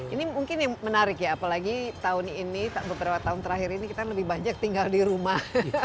ini mungkin yang menarik ya apalagi tahun ini beberapa tahun terakhir ini kita lebih banyak tinggal di rumah